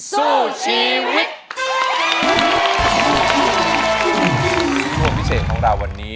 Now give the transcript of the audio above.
คุณผู้ชมพิเศษของเราวันนี้